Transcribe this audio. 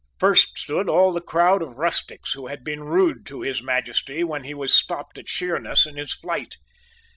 First stood all the crowd of rustics who had been rude to His Majesty when he was stopped at Sheerness in his flight.